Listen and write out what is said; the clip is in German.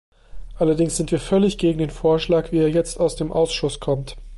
Allerdings sind wir völlig gegen den Vorschlag, wie er jetzt aus dem Ausschuss kommt.